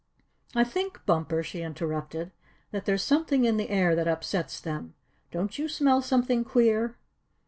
"I think, Bumper," she interrupted, "that there's something in the air that upsets them. Don't you smell something queer?"